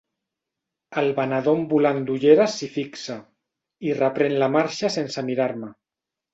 El venedor ambulant d'ulleres s'hi fixa i reprèn la marxa sense mirar-me.